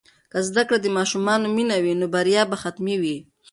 که زده کړه د ماشومانو مینه وي، نو بریا به حتمي وي.